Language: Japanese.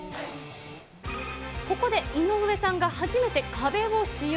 ここで井上さんが初めて壁を使用。